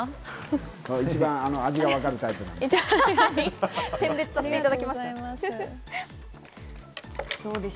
一番味がわかるタイプなんで。